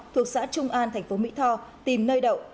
thuộc xã trung an thành phố mỹ tho tìm nơi đậu